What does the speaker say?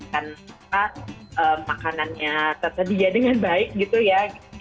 karena makanannya tersedia dengan baik gitu ya